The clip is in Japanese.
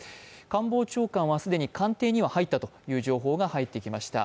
官房長官は既に官邸には入ったという情報が入ってきました。